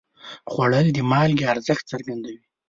خوړل د مالګې ارزښت څرګندوي